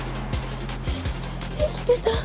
生きてた。